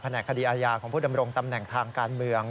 แหกคดีอาญาของผู้ดำรงตำแหน่งทางการเมือง